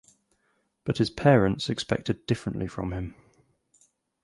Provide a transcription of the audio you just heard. But his parents expected differently from him.